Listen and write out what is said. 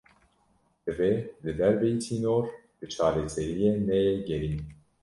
Divê li derveyî sînor, li çareseriyê neyê gerîn